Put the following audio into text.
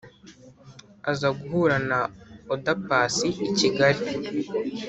aza guhura na oda paccy i kigali,